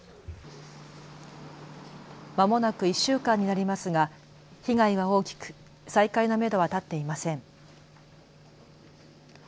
まもなく１週間になりますが被害は大きく再開のめどは立っていません。